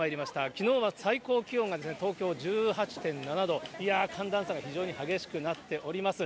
きのうは最高気温が東京１８．７度、いやー、寒暖差が非常に激しくなっております。